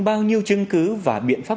bao nhiêu chứng cứ và biện pháp